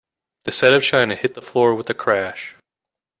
The set of china hit the floor with a crash.